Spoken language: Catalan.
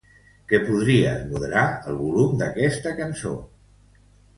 Que podries moderar el volum d'aquesta cançó.